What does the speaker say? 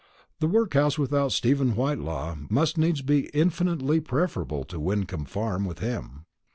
The workhouse without Stephen Whitelaw must needs be infinitely preferable to Wyncomb Farm with him.